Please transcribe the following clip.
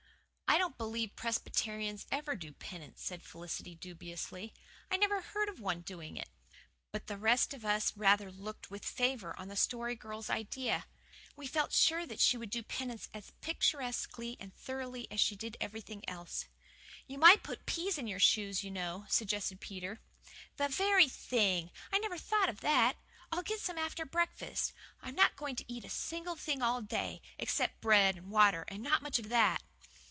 "I don't believe Presbyterians ever do penance," said Felicity dubiously. "I never heard of one doing it." But the rest of us rather looked with favour on the Story Girl's idea. We felt sure that she would do penance as picturesquely and thoroughly as she did everything else. "You might put peas in your shoes, you know," suggested Peter. "The very thing! I never thought of that. I'll get some after breakfast. I'm not going to eat a single thing all day, except bread and water and not much of that!"